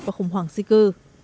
và khủng hoảng di cư